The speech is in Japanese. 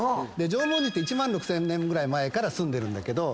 縄文人って１万６，０００年ぐらい前から住んでるんだけど。